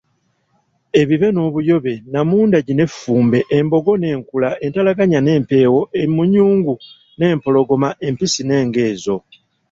"Ebibe n’obuyobe, namundagi n’effumbe, embogo n’enkula, entalaganya n’empeewo, emmunyungu n’empologoma, empisi n’engo ezo."